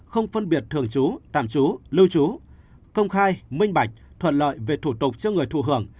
không phân biệt thường trú tạm trú lưu trú công khai minh bạch thuận lợi về thủ tục cho người thụ hưởng